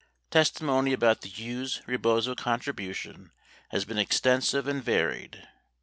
Testimony about the Hughes Rebozo contribution has been extensive and varied.